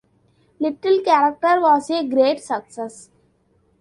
"Little Character" was a great success.